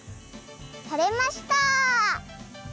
とれました！